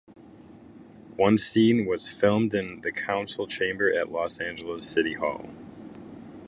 One scene was filmed in the council chamber at Los Angeles City Hall.